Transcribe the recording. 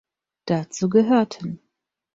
Dazu gehörten